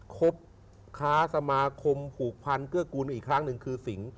ครบค้าสมาคมผูกพันเกื้อกูลอีกครั้งหนึ่งคือสิง